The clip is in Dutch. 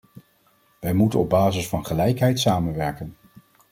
Wij moeten op basis van gelijkheid samenwerken.